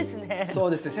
そうですね。